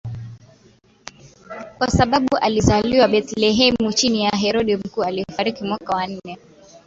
kwa sababu alizaliwa Bethlehemu chini ya Herode Mkuu aliyefariki mwaka wa nne